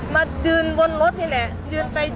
นั่งถึงเฟรนั่งที่แผ่นเซียว่าคนคนนี้